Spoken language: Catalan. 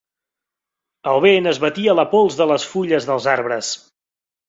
El vent esbatia la pols de les fulles dels arbres.